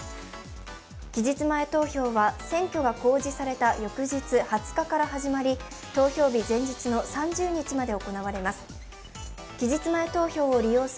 期日前投票は選挙が公示された翌日、２０日から始まり投票日前日の３０日まで行われます。